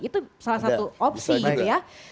itu salah satu opsi gitu ya